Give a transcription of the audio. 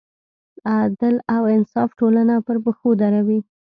عدل او انصاف ټولنه پر پښو دروي.